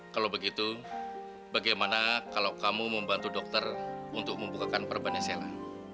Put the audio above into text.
kalau begitu bagaimana kalau kamu membantu dokter untuk membukakan perban yang sheila